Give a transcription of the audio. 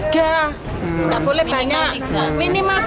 gak boleh banyak minimal rp tiga